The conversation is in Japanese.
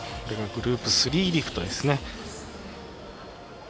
これがグループ３リフトですね。